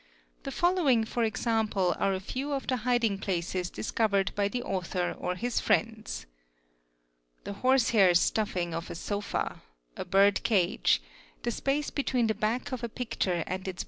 The following for example are a few of the hiding places discovered by the author or his friends :—the horsehair stufling of a sofa, a bird cage, the space between the back of a picture and its.